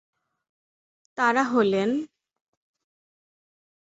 তারা হলেন-